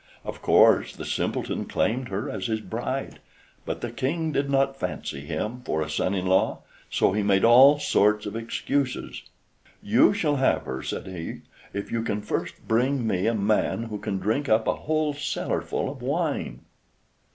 Of course, the Simpleton claimed her as his bride, but the King did not fancy him for a son in law, so he made all sorts of excuses. "You shall have her," said he, "if you can first bring me a man who can drink up a whole cellarful of wine."